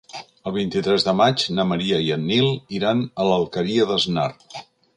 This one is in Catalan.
El vint-i-tres de maig na Maria i en Nil iran a l'Alqueria d'Asnar.